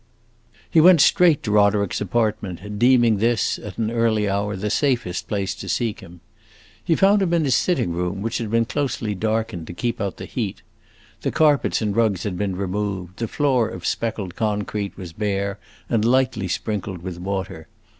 He went straight to Roderick's apartment, deeming this, at an early hour, the safest place to seek him. He found him in his sitting room, which had been closely darkened to keep out the heat. The carpets and rugs had been removed, the floor of speckled concrete was bare and lightly sprinkled with water.